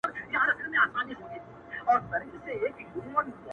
• زه وايم راسه حوصله وكړو.